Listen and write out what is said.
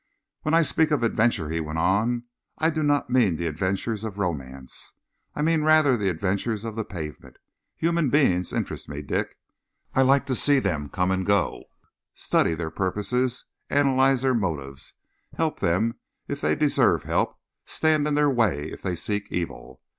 "When I speak of adventures," he went on, "I do not mean the adventures of romance. I mean rather the adventures of the pavement. Human beings interest me, Dick. I like to see them come and go, study their purposes, analyse their motives, help them if they deserve help, stand in their way if they seek evil.